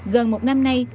gần một năm nay